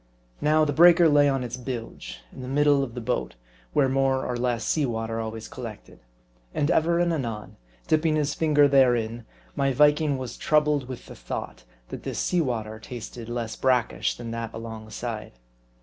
Now the breaker lay on its bilge, in the middle of the boat, where more or less sea water always collected. And ever and anon, dipping his finger therein, my Viking was troubled with the thought, that this sea water tasted less brackish than that alongside.